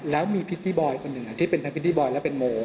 แล้วมีพิตติบอยล์คนหนึ่งที่เป็นพิตติบอยล์และเป็นโหม